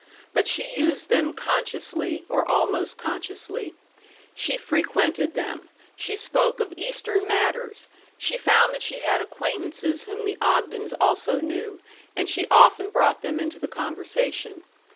But she used them consciously, or almost consciously. She frequented them; she spoke of Eastern matters; she found that she had acquaintances whom the Ogdens also knew, and she often brought them into the conversation.